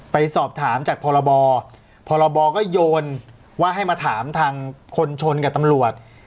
ไปสอบถามจากพรบพรบก็โยนว่าให้มาถามทางคนชนกับตำรวจ